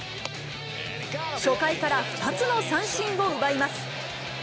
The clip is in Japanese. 初回から２つの三振を奪います。